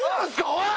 おい！